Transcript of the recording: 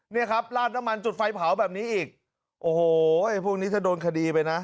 เนี่ยครับลาดน้ำมันจุดไฟเผาแบบนี้อีกโอ้โหพวกนี้ถ้าโดนคดีไปนะ